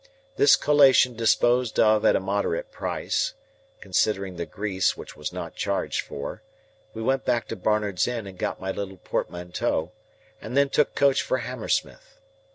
This collation disposed of at a moderate price (considering the grease, which was not charged for), we went back to Barnard's Inn and got my little portmanteau, and then took coach for Hammersmith.